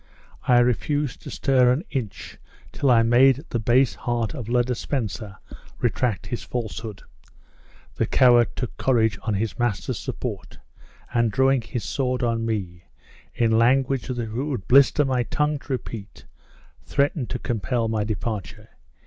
I refused to stir an inch till I made the base heart of Le de Spencer retract his falsehood. The coward took courage on his master's support, and drawing his sword upon me, in language that would blister my tongue to repeat, threatened to compel my departure.